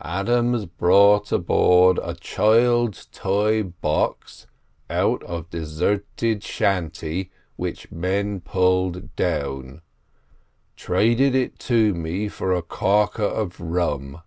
'Adams brought aboard child's toy box out of deserted shanty, which men pulled down; traded it to me for a caulker of rum.